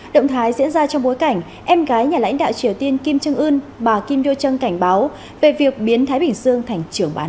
động thái diễn ra trong bối cảnh em gái nhà lãnh đạo triều tiên kim trương ưn bà kim do trân cảnh báo về việc biến thái bình dương thành trưởng bán